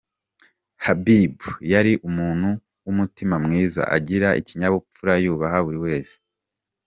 Habib yari umuntu w’umutima mwiza, agira ikinyabupfura yubaha buri wese.